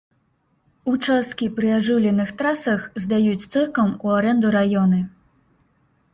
Участкі пры ажыўленых трасах здаюць цыркам у арэнду раёны.